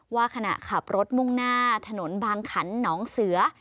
ว่าขณะขับรถมุ่งหน้าถนนบางขันหนองเสือ